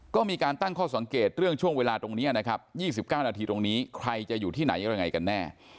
ก็มีการตั้งข้อสังเกตเรื่องช่วงเวลาตรงนี้นะครับ๒๙นาทีตรงนี้ใครจะอยู่ที่ไหนอะไรยังไงกันแน่